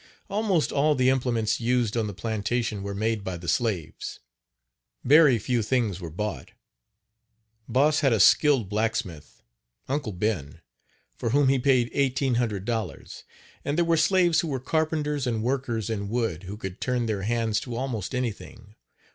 Almost all the implements used on the plantation were made by the slaves. Very few things were bought. Boss had a skilled blacksmith, uncle Ben, for whom he paid $1,800, and there were slaves who were carpenters and workers in wood who could turn their hands to almost anything.